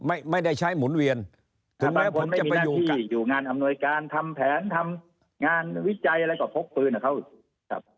ไม่ไม่ได้ใช้หมุนเวียนถูกแม้ผมจะไปอยู่อยู่งานอำนวยการทำแผนทำงานวิจัยอะไรก็พกปืนอ่ะเขา